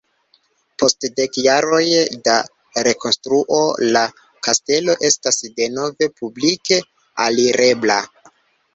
Post dek jaroj da rekonstruo la kastelo estas denove publike alirebla.